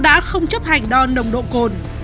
đã không chấp hành đo nồng độ cồn